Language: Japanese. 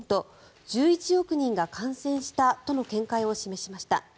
１１億人が感染したとの見解を示しました。